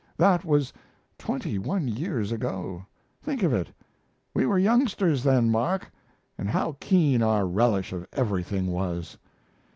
That was twenty one years ago; think of it! We were youngsters then, Mark, and how keen our relish of everything was!